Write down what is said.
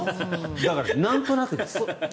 だから、なんとなくです。